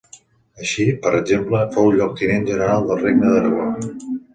Així, per exemple, fou lloctinent general del Regne d'Aragó.